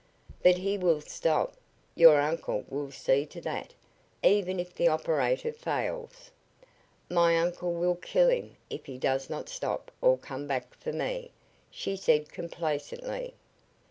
"But he will stop! Your uncle will see to that, even if the operator fails." "My uncle will kill him if he does not stop or come back for me," she said, complacently.